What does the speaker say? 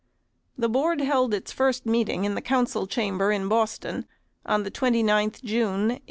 THE Board held its first meeting in the Council Cham ber in Boston, on the 29th June, 1837.